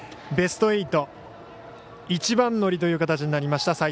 ベスト８一番乗りという形になりました。